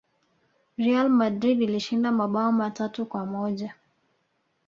real madrid ilishinda mabao matatu kwa moja